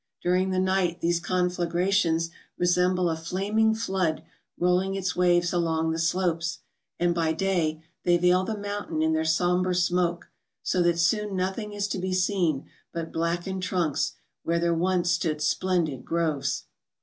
During the night these conflagrations resemble a flaming flood rolling its waves along the slopes ; and by day they veil the mountain in their sombre smoke; so that soon nothing is to be seen but blackened trunks where there once stood splendid groves.